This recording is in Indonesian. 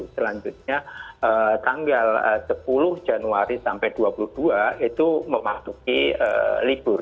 selanjutnya tanggal sepuluh januari sampai dua puluh dua itu memasuki libur